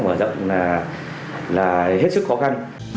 và dọn là hết sức khó khăn